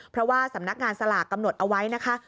เพราะว่าสำนักงานสลากกำหนดเอาไว้นะคะ